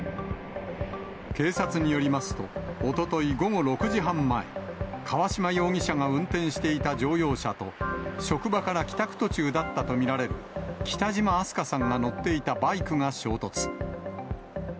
警察によりますと、おととい午後６時半前、川島容疑者が運転していた乗用車と、職場から帰宅途中だったと見られる北島明日翔さんが乗っていたバイクが衝突。